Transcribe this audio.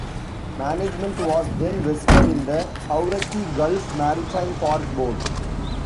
Management was then vested in the Hauraki Gulf Maritime Park Board.